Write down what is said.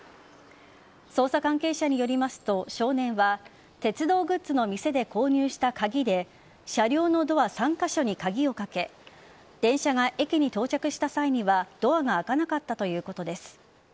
捜査関係者によりますと少年は鉄道グッズの店で購入した鍵で車両のドア３カ所に鍵をかけ電車が駅に到着した際にはドアが開かなかったということです。